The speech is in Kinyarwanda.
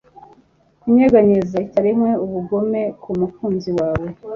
Kunyeganyeza icyarimwe ubugome kumukunzi wawe